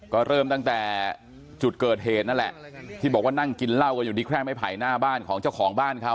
ก็เริ่มตั้งแต่จุดเกิดเหตุนั่นแหละที่บอกว่านั่งกินเหล้ากันอยู่ที่แค่ไม่ไผ่หน้าบ้านของเจ้าของบ้านเขา